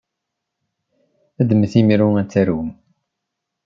Ddmet imru ad tarum!